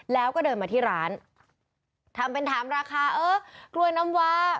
แล้วก็เดินมาที่ร้านทำเป็นถามราคาเออกล้วยน้ำวา